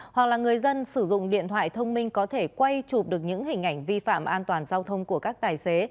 hoặc là người dân sử dụng điện thoại thông minh có thể quay chụp được những hình ảnh vi phạm an toàn giao thông của các tài xế